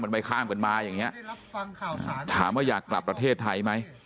มันไปข้ามกันมาอย่างเงี้ยถามว่าอยากกลับประเทศไทยไหม